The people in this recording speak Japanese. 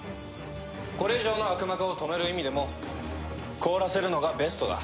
これ以上の悪魔化を止める意味でも凍らせるのがベストだ。